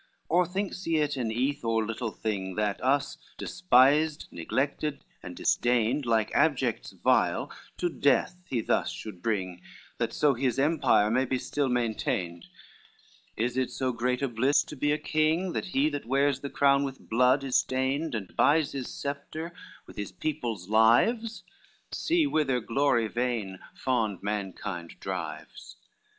LXVI "Or thinks he it an eath or little thing That us despised, neglected, and disdained, Like abjects vile, to death he thus should bring, That so his empire may be still maintained? Is it so great a bliss to be a king, When he that wears the crown with blood is stained And buys his sceptre with his people's lives? See whither glory vain, fond mankind drives.